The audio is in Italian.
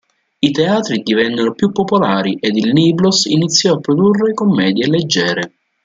I teatri divennero più popolari ed il Niblo's iniziò a produrre commedie leggere.